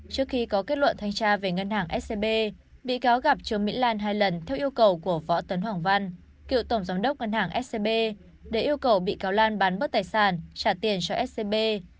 trước khi có kết luận thanh tra về ngân hàng scb bị cáo gặp trương mỹ lan hai lần theo yêu cầu của võ tấn hoàng văn cựu tổng giám đốc ngân hàng scb để yêu cầu bị cáo lan bán bớt tài sản trả tiền cho scb